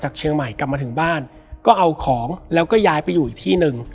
เดี๋ยวก็เอาของแล้วก็ย้ายไปอยู่อีกที่หนึ่ง